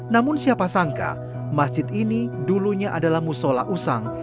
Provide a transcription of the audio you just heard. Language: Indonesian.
namun siapa sangka masjid ini dulunya adalah musola usang